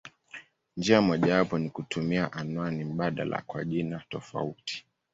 Njia mojawapo ni kutumia anwani mbadala kwa jina tofauti.